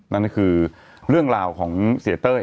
นั่นก็คือเรื่องราวของเสียเต้ย